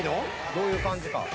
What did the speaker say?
どういう感じか。